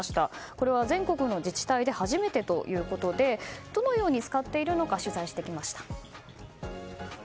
これは全国の自治体で初めてということでどのように使っているのか取材してきました。